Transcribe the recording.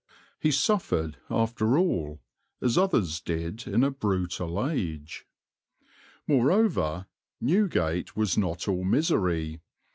He suffered, after all, as others did in a brutal age. Moreover, Newgate was not all misery.